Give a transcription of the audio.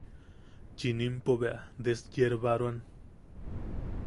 Chinimpo bea desyerbaroan.